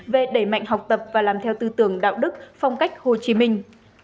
về đẩy mạnh học tập và làm theo tư tưởng đạo đức phong cách hồ chí minh